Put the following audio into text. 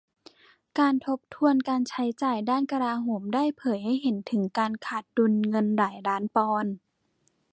การทบทวนการใช้จ่ายด้านกลาโหมได้เผยให้เห็นถึงการขาดดุลเงินหลายล้านปอนด์